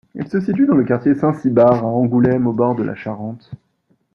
Il se situe dans le quartier Saint-Cybard à Angoulême, au bord de la Charente.